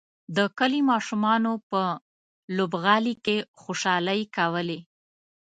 د کلي ماشومانو په لوبغالي کې خوشحالۍ کولې.